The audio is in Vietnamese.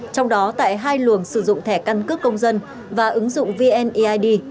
trong đó tại hai luồng sử dụng thẻ căn cước công dân và ứng dụng vneid